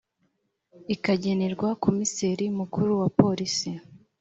ikagenerwa komiseri mukuru wa polisi